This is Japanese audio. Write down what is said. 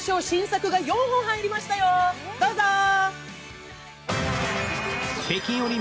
新作が４本入りましたよ、どうぞ！